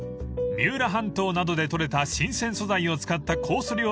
［三浦半島などで取れた新鮮素材を使ったコース